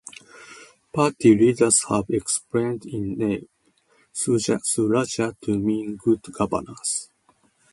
Party leaders have explained its name, "Su-Raj", to mean "good governance".